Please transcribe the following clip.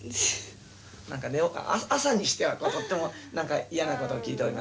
「朝にしてはとっても嫌なことを聞いております」